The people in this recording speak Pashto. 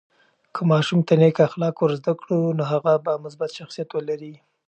که ماشوم ته نیک اخلاق ورزده کړو، نو هغه به مثبت شخصیت ولري.